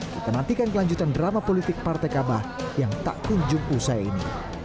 kita nantikan kelanjutan drama politik partai kabah yang tak kunjung usai ini